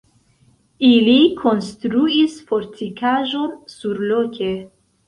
Ili konstruis fortikaĵon surloke.